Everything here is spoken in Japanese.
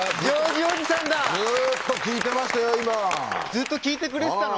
ずっと聞いてくれてたの？